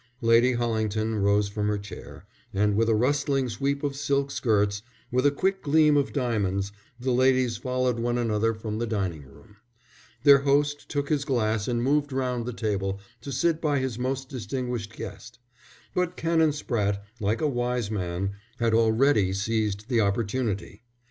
Lady Hollington rose from her chair, and with a rustling sweep of silk skirts, with a quick gleam of diamonds, the ladies followed one another from the dining room. Their host took his glass and moved round the table to sit by his most distinguished guest. But Canon Spratte, like a wise man, had already seized the opportunity.